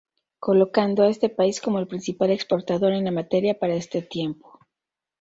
Colocando a este país como el principal exportador en la materia, para este tiempo.